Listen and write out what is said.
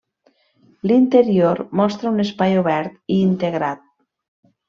L'interior mostra un espai obert i integrat.